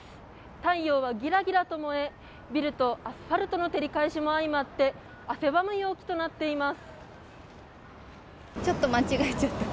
太陽はギラギラと燃えビルとアスファルトの照り返しも相まって汗ばむ陽気となっています。